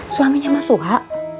suaminya mas suha